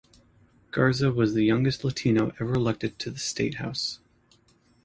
Garza was the youngest Latino ever elected to the state house.